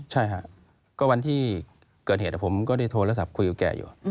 ใช่ค่ะก็วันที่เกิดเหตุผมก็ได้โทรศัพท์คุยกับแกอยู่